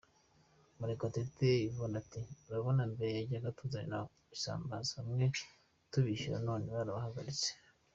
Murekatete Yvonne ati “Urabona mbere bajyaga batuzanira isambaza, bamwe tubishyura none barabahagaritse.